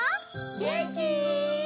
げんき？